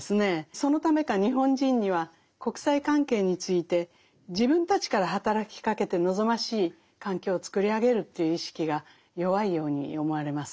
そのためか日本人には国際関係について自分たちから働きかけて望ましい環境を作り上げるという意識が弱いように思われます。